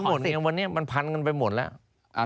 มันโดนหมดอย่างวันนี้มันพันกันไปหมดแล้ว